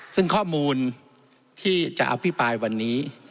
ซึ่งข้อมูลที่จะอภิปรายวันนี้